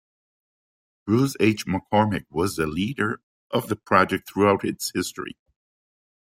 Bruce H. McCormick was the leader of the project throughout its history.